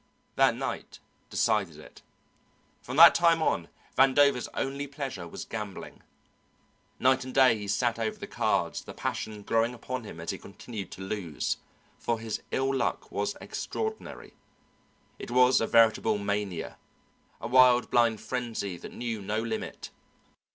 That night decided it. From that time on, Vandover's only pleasure was gambling. Night and day he sat over the cards, the passion growing upon him as he continued to lose, for his ill luck was extraordinary. It was a veritable mania, a wild blind frenzy that knew no limit.